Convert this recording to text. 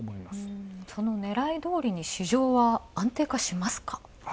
その狙いどおりに市場は安定化しますか？